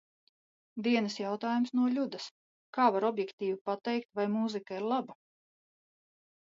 Dienas jautājums no Ļudas – kā var objektīvi pateikt, vai mūzika ir laba?